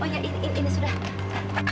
makanya kalau kerja jangan lama lama